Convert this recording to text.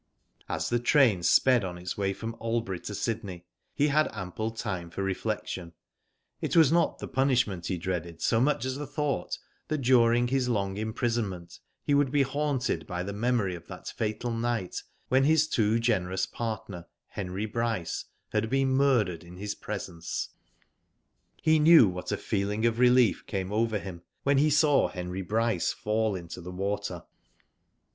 As the train sped on its way from Albury to Sydney, he had ample time for reflection. It was not the punishment he dreaded so much as the thought that during his long imprisonment he would be haunted by the memory of that fatal night when his too generous partner, Henry Bryce, had been murdered in his presence. Digitized byGoogk 278 WHO DID IT? He knew what a feeling of relief came over him when he saw Henry Bryce fall into the water.